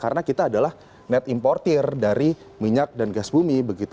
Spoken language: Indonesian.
karena kita adalah net importer dari minyak dan gas bumi